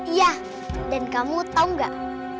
iya dan kamu tau gak